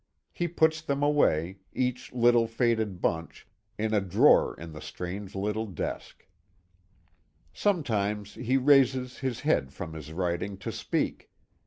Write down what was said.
He puts them away, each little faded bunch, in a drawer in the strange little desk. Sometimes he raises his head from his writing to speak.